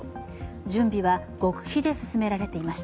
準備は極秘で進められていました。